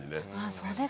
そうですね。